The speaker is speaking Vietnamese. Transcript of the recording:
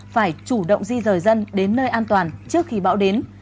phải chủ động di rời dân đến nơi an toàn trước khi bão đến